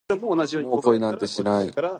もう恋なんてしないなんて、言わないよ絶対